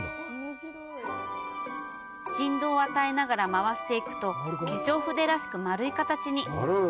振動を与えながら回していくと化粧筆らしく丸い形に。